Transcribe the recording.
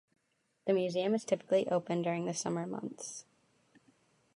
The museum is typically open during the summer months.